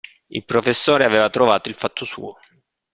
Il professore aveva trovato il fatto suo.